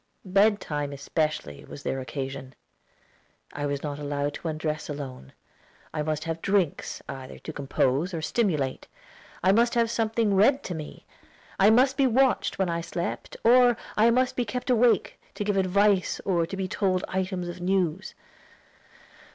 Bed time especially was their occasion. I was not allowed to undress alone. I must have drinks, either to compose or stimulate; I must have something read to me; I must be watched when I slept, or I must be kept awake to give advice or be told items of news.